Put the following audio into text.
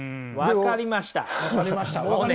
分かりました？